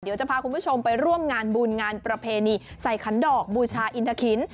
เดี๋ยวจะพาคุณผู้ชมไปร่วมงานบุญงานประเพณีใส่ขันดอกบูชาอินทะคิน